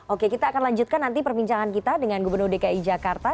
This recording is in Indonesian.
oke kita akan lanjutkan nanti perbincangan kita dengan gubernur dki jakarta